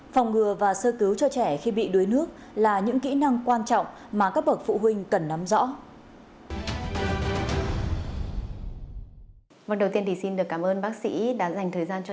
phòng ngừa và sơ cứu cho trẻ khi bị đuối nước là những kỹ năng quan trọng mà các bậc phụ huynh cần nắm rõ